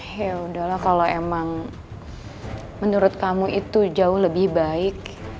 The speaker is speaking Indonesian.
ya udahlah kalau emang menurut kamu itu jauh lebih baik